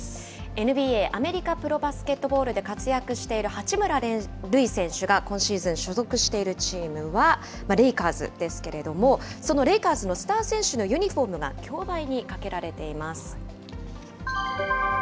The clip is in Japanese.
ＮＢＡ・アメリカプロバスケットボールで活躍している八村塁選手が、今シーズン所属しているチームはレイカーズですけれども、そのレイカーズのスター選手のユニホームが競売にかけられています。